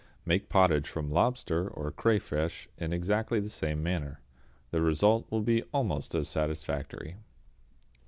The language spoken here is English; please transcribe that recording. Make potage from lobster or crayfish in exactly the same manner. The result will be almost as satisfactory.